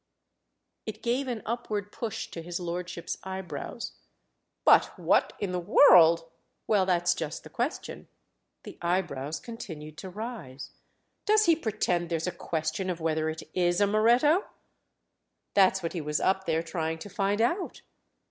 It gave an upward push to his lordship's eyebrows. "But what in the world——?" "Well, that's just the question!" The eyebrows continued to rise. "Does he pretend there's a question of whether it is a Moretto?" "That's what he was up there trying to find out."